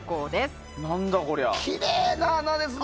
きれいな穴ですね。